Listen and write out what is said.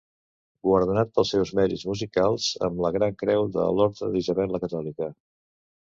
Guardonat pels seus mèrits musicals amb la gran creu de l'Orde d'Isabel la Catòlica.